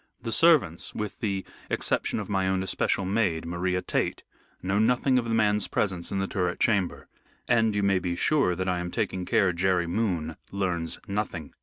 The servants with the exception of my own especial maid, Maria Tait know nothing of the man's presence in the turret chamber. And you may be sure that I am taking care Jerry Moon learns nothing.